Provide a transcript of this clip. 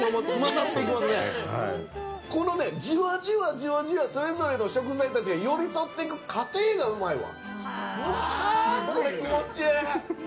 じわじわ、それぞれの食材たちが寄り添っていく過程がうまいわ！